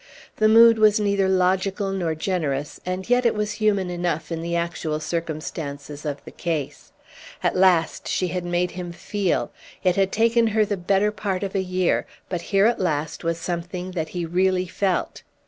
The mood was neither logical nor generous, and yet it was human enough in the actual circumstances of the case. At last she had made him feel! It had taken her the better part of a year, but here at last was something that he really felt.